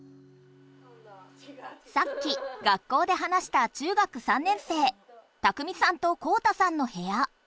さっき学校で話した中学３年生拓海さんと宏太さんのへや。